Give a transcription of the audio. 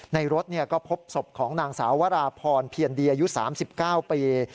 ในรถก็พบศพของนางสาววราพรเพียรดีอายุ๓๙ปี